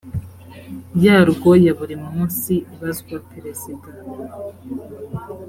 yarwo ya buri munsi ibazwa perezida